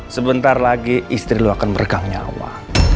sebentar lagi istri lo akan meregang nyawa